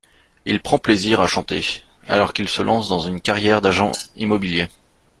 Il prend plaisir à chanter, alors qu’il se lance dans une carrière d’agent immobilier.